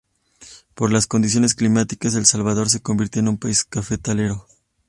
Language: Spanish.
Por las condiciones climáticas, El Salvador se convirtió en un país cafetalero.